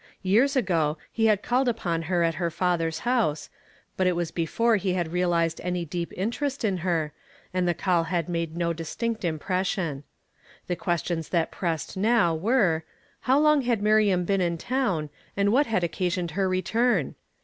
Years ago he had called upon her at her father's house ; but it was before he had realized any deep interest in her, and the call had made no distinct impression. The questions that pressed now, were : How long had Miriam l)een in town, and what had occasioned her return?